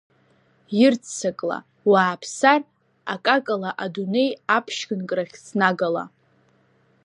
Ирццакла, уааԥсар акакала адунеи аԥшьганк рахь снагала!